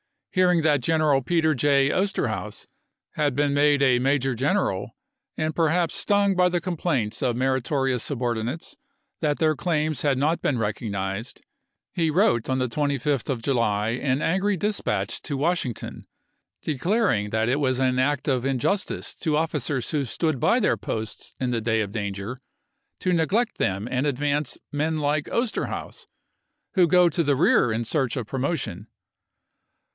Hearing that General Peter J. Osterhaus had been made a major general, and perhaps stung by the complaints of merito rious subordinates that their claims had not been 1863. recognized, he wrote on the 25th of July an angry dispatch to Washington declaring that it was an act of injustice to officers who stood by their posts Re in the day of danger to neglect them and advance (?n01c^ducet men like Osterhaus, who go to the rear in search ofi865e 66ar' of promotion.